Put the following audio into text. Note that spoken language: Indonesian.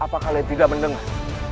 apa kalian tidak mendengar